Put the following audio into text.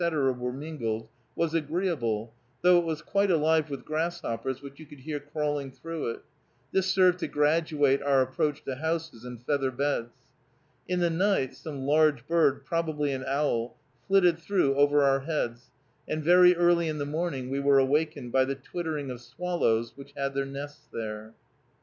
were mingled, was agreeable, though it was quite alive with grasshoppers which you could hear crawling through it. This served to graduate our approach to houses and feather beds. In the night some large bird, probably an owl, flitted through over our heads, and very early in the morning we were awakened by the twittering of swallows which had their nests there.